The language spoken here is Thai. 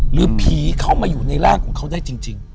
หรือผีเข้ามาอยู่ในร่างของเขาได้จริง